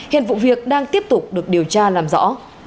hiện vụ việc đang tiếp tục được điều tra làm rõ